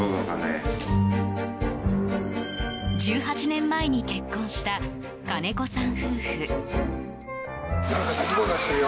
１８年前に結婚した金子さん夫婦。